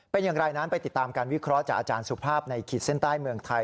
เป็นอย่างไรนั้นไปติดตามการวิเคราะห์จากอาจารย์สุภาพในขีดเส้นใต้เมืองไทย